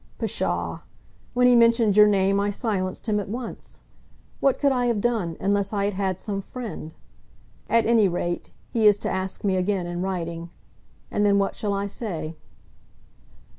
Psha! When he mentioned your name I silenced him at once. What could I have done, unless I had had some friend? At any rate, he is to ask me again in writing, and then what shall I say?"